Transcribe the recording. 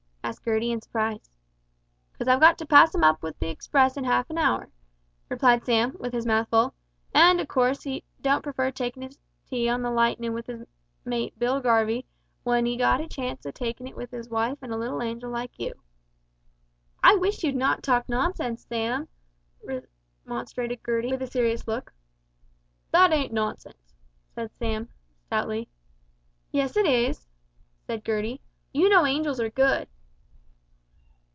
asked Gertie in surprise. "'Cause I've got to pass him up wi' the express in half an hour," replied Sam, with his mouth full, "and, of course, he don't prefer takin' tea on the Lightenin' with his mate Bill Garvie, w'en he's got a chance o' takin' it wi' his wife and a little angel, like you." "I wish you'd not talk nonsense, Sam," remonstrated Gertie with a serious look. "That ain't nonsense," said Sam, stoutly. "Yes, it is," said Gertie; "you know angels are good."